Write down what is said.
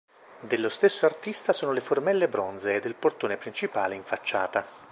Dello stesso artista sono le formelle bronzee del portone principale in facciata.